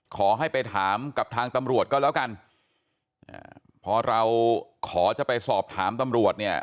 ขอให้ไปถามกับทางตำรวจก็แล้วกันอ่าพอเราขอจะไปสอบถามตำรวจเนี่ย